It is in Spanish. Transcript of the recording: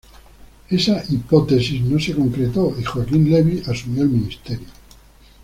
Esa hipótesis no se concretó y Joaquim Levy asumió el ministerio.